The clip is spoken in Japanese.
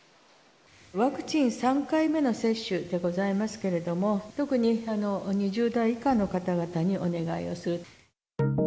ワクチン３回目の接種でございますけれども、特に２０代以下の方々にお願いをする。